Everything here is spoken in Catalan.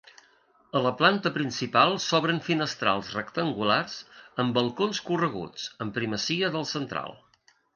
A la planta principal s'obren finestrals rectangulars amb balcons correguts, amb primacia del central.